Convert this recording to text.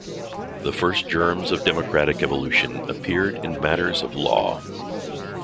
The first germs of democratic evolution appeared in matters of law.